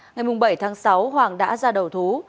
ngày bảy tháng sáu hoàng đã ra đầu thú